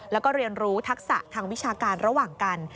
แล้วก็เรียนรู้ทักษะทางวิชาการระหว่างกัน